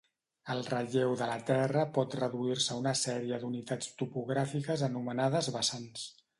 El relleu de la Terra pot reduir-se a una sèrie d'unitats topogràfiques anomenades vessants.